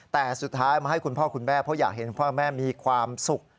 แต่สุดท้ายมาให้คุณพ่อคุณแม่เพราะอยากเห็นพ่อแม่มีความสุข